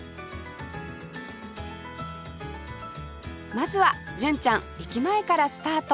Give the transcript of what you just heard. まずは純ちゃん駅前からスタート